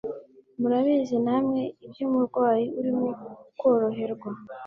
murabizi nanwe ibyumurwayi urimo koroherwa